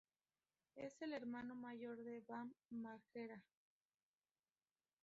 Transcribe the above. Es el hermano mayor de Bam Margera.